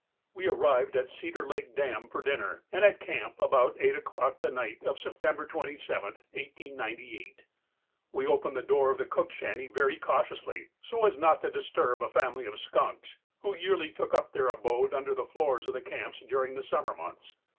We arrived at Cedar Lake Dam for dinner and at camp about eight oâclock the night of September 27, 1898. We opened the door of the cook shanty very cautiously, so as not to disturb a family of skunks who yearly took up their abode under the floors of the camps during the summer months.